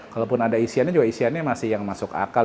kalaupun ada isiannya juga isiannya masih yang masuk akal